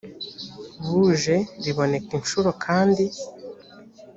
buje riboneka incuro kandi